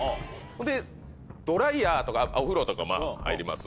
ドライヤーとかお風呂とか入ります。